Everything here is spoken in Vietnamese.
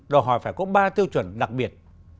đòi hỏi phải có ba tiêu chuẩn đặc biệt